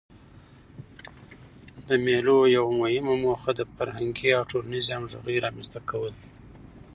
د مېلو یوه مهمه موخه د فرهنګي او ټولنیزي همږغۍ رامنځ ته کول دي.